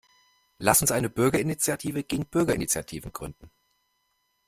Lasst uns eine Bürgerinitiative gegen Bürgerinitiativen gründen!